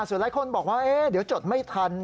ส่วนหลายคนบอกว่าเดี๋ยวจดไม่ทัน